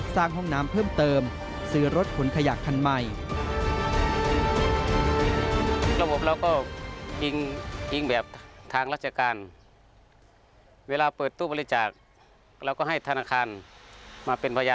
ห้องน้ำเพิ่มเติมซื้อรถขนขยะคันใหม่